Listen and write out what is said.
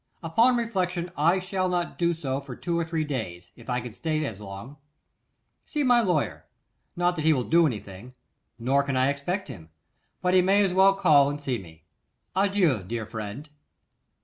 Upon reflection, I shall not do so for two or three days, if I can stay as long. See my lawyer; not that he will do anything; nor can I expect him; but he may as well call and see me. Adieu, dear friend.